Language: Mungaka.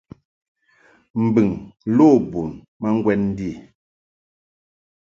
Mbɨŋ lo bun ma ŋgwɛn ndi.